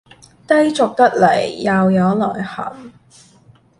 低俗得來又有內涵